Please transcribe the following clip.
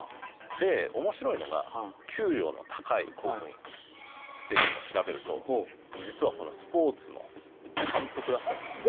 で面白いのが給料の高い公務員っていうのを調べると実はこのスポーツの監督だったりすると。